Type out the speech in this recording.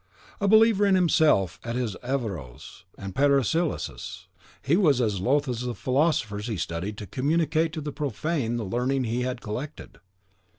A believer himself in his Averroes and Paracelsus, he was as loth as the philosophers he studied to communicate to the profane the learning he had collected.